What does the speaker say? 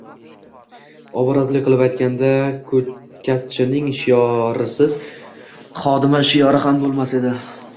Obrazli qilib aytganda, ko‘katchining shiorisiz xodima shiori ham bo‘lmas edi